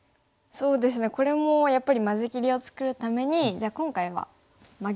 そうですねこれもやっぱり間仕切りを作るためにじゃあ今回はマゲてみますか。